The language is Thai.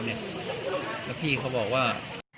นี้มี๙หาก็๘หา